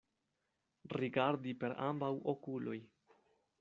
Rigardi per ambaŭ okuloj.